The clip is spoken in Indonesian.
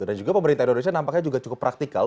dan juga pemerintah indonesia nampaknya cukup praktikal